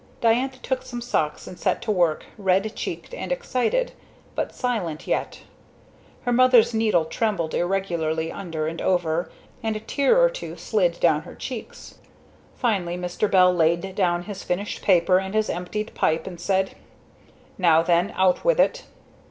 Diantha took some socks and set to work, red checked and excited, but silent yet. Her mother's needle trembled irregularly under and over, and a tear or two slid down her cheeks. Finally Mr. Bell laid down his finished paper and his emptied pipe and said, "Now then. Out with it."